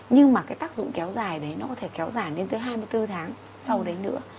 nhưng mà cái tác dụng kéo dài đấy nó có thể kéo dài lên tới hai mươi bốn tháng sau đấy nữa